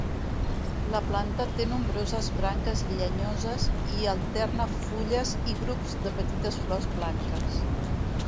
La planta té nombroses branques llenyoses i alterna fulles i grups de petites flors blanques.